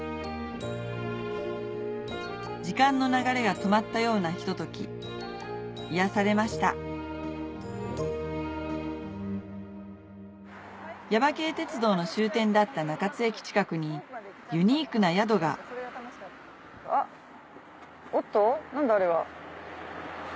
時間の流れが止まったようなひととき癒やされました耶馬渓鉄道の終点だった中津駅近くにユニークな宿がおっと何だあれは。